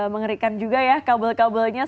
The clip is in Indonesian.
mengerikan juga ya kabel kabel jakarta